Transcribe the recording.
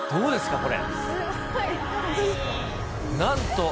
これ。